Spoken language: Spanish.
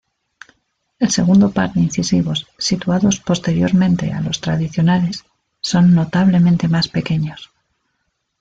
El segundo par de incisivos, situados posteriormente a los tradicionales, son notablemente más pequeños.